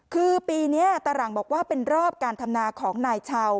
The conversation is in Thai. คือปีนี้ตาหลังบอกว่าเป็นรอบการทำนาของนายชาว